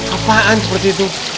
apaan seperti itu